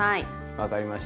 分かりました。